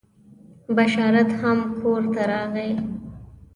بشارت هم کور ته راغی.